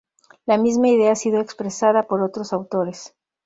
La misma idea ha sido expresada por otros autores.